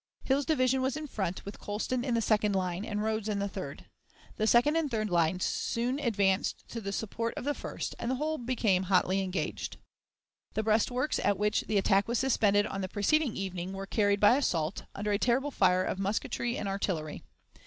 Hill's division was in front, with Colston in the second line, and Rodes in the third. The second and third lines soon advanced to the support of the first, and the whole became hotly engaged. The breastworks at which the attack was suspended on the preceding evening were carried by assault, under a terrible fire of musketry and artillery.